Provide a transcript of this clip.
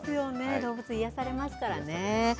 動物、癒やされますからね。